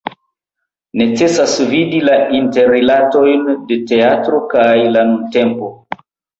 Necesas vidi la interrilatojn de teatro kaj la nuntempo.